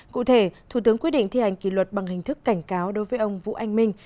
cụ thể thủ tướng quyết định thi hành kỷ luật bằng hình thức cảnh cáo đối với ông vũ anh minh